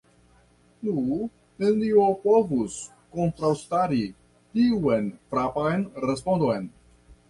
Nu, nenio povus kontraŭstari tiun frapan respondon.